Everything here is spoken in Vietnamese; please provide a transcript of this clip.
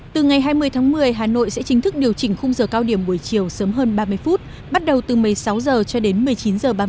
từ ngày hai mươi tháng một mươi hà nội sẽ chính thức điều chỉnh khung giờ cao điểm buổi chiều sớm hơn ba mươi phút bắt đầu từ một mươi sáu h cho đến một mươi chín h ba mươi